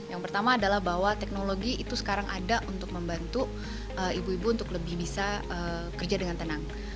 yang pertama adalah bahwa teknologi itu sekarang ada untuk membantu ibu ibu untuk lebih bisa kerja dengan tenang